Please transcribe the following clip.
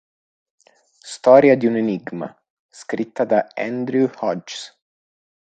Storia di un enigma", scritta da Andrew Hodges.